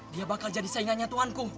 dia bakal jadi saingannya tuanku